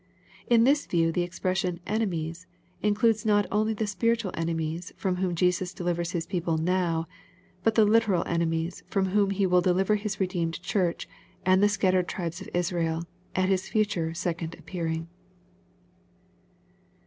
In this view the expression " enemies" includes not only the spiritual enemies from whom Jesus delivers His people now, but the literal enemies from whom he will deliver His redeemed Church, and the scat tered tribes of Israel, at His future second appearing.